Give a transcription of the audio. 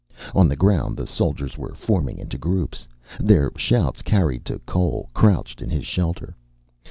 On the ground the soldiers were forming into groups. Their shouts carried to Cole, crouched in his shelter.